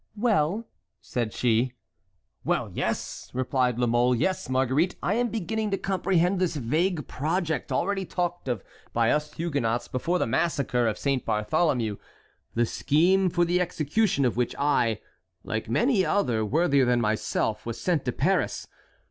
"Well!" said she. "Well, yes!" replied La Mole, "yes, Marguerite, I am beginning to comprehend this vague project already talked of by us Huguenots before the massacre of Saint Bartholomew, the scheme for the execution of which I, like many another worthier than myself, was sent to Paris.